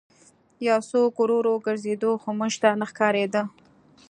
یو څوک ورو ورو ګرځېده خو موږ ته نه ښکارېده